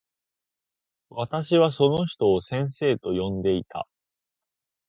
私はその人を先生と呼んでいた。